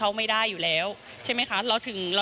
อ่าเดี๋ยวฟองดูนะครับไม่เคยพูดนะครับ